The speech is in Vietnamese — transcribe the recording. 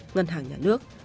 ngân hàng nhà nước